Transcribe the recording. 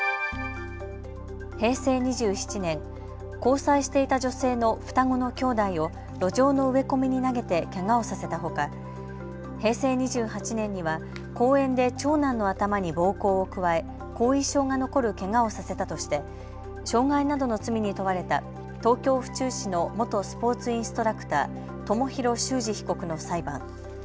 平成２７年、交際していた女性の双子の兄弟を路上の植え込みに投げてけがをさせたほか平成２８年には公園で長男の頭に暴行を加え、後遺症が残るけがをさせたとして傷害などの罪に問われた東京府中市の元スポーツインストラクター、友弘修司被告の裁判。